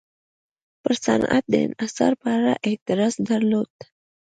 پر صنعت د انحصار په اړه اعتراض درلود.